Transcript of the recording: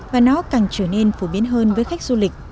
và nó càng trở nên phổ biến hơn với khách du lịch